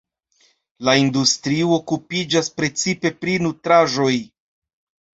La industrio okupiĝas precipe pri nutraĵoj.